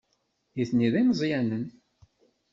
Nitni d imeẓyanen.